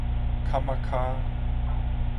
崁仔跤